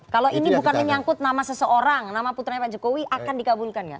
kalau ini bukan menyangkut nama seseorang nama putranya pak jokowi akan dikabulkan ya